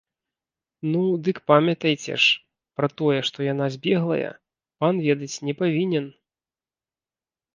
Ну, дык памятайце ж, пра тое, што яна збеглая, пан ведаць не павінен!